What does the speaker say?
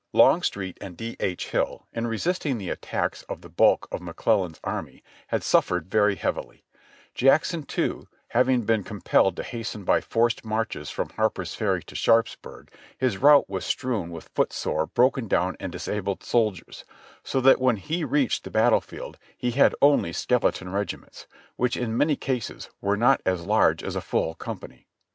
Longstreet and D. H. Hill in resisting the attacks of the bulk of McClellan's army had suffered very heavily ; Jackson, too, having been compelled to hasten by forced marches from Har per's Ferry to Sharpsburg, his route was strewn with foot sore, broken down and disabled soldiers, so that when he reached the battle field he had only skeleton regiments, which in many cases were not as large as a full company.